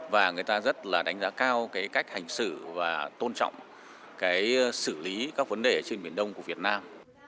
và người ta rất là đánh giá cao cái cách hành xử và tôn trọng cái xử lý các vấn đề trên biển đông của việt nam